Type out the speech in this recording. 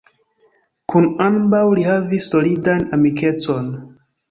Kun ambaŭ li havis solidan amikecon.